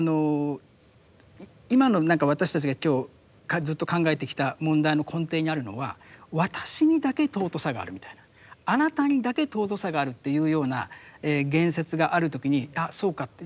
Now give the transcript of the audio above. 今の何か私たちが今日ずっと考えてきた問題の根底にあるのは私にだけ尊さがあるみたいなあなたにだけ尊さがあるっていうような言説がある時にあそうかって。